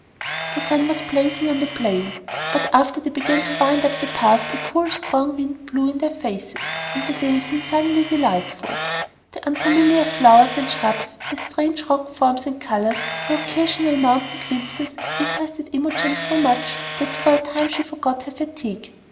The sun was blazing on the plain; but after they began to wind up the pass a cool, strong wind blew in their faces and the day seemed suddenly delightful. The unfamiliar flowers and shrubs, the strange rock forms and colors, the occasional mountain glimpses, interested Imogen so much that for a time she forgot her fatigue.